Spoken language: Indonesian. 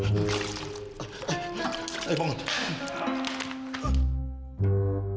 maaf cari siapa ya